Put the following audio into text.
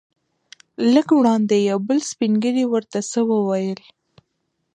لږ وړاندې یو بل سپین ږیری ورته څه وویل.